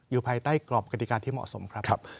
ภายใต้กรอบกฎิกาที่เหมาะสมครับ